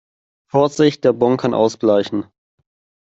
Vorsicht, der Bon kann ausbleichen!